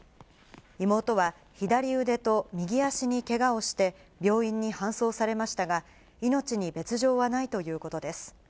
妹は、左腕と右足にけがをして、病院に搬送されましたが、命に別状はないということです。